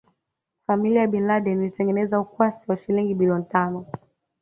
Familia ya Bin Laden ilitengeneza ukwasi wa shilingi biiloni tano